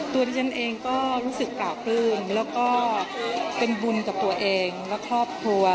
ตัวที่ฉันเองก็รู้สึกปราบปลื้มแล้วก็เป็นบุญกับตัวเองและครอบครัว